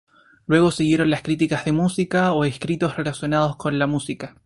Luego siguieron las críticas de música o escritos relacionados con la música.